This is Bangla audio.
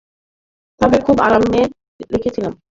তাকে খুুব আরামে রেখেছিলাম।